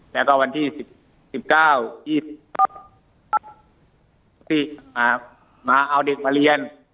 แล้วก็วันที่๑๙๒ที่มาเอาเด็กมาเรียน